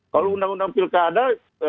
kalau undang undang pilkada